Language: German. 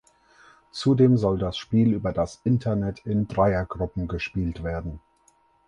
Zudem soll das Spiel über das Internet in Dreiergruppen gespielt werden.